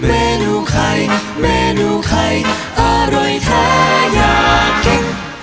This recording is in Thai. เมนูไข่เมนูไข่อร่อยแท้อยากกิน